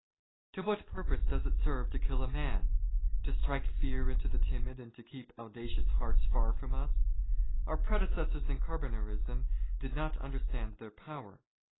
" To what purpose does it serve to kill a man ? To strike fear " into the timid and to keep audacious hearts far from us ? Our " predecessors in Cai'bonarism did not understand their power.